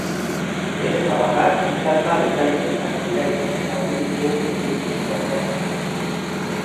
Bere zapatak ikatza bezain beltzak ziren eta horiekin heldu zen Zornotzara.